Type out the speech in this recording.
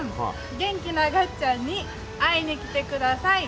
元気ながっちゃんに会いに来てください。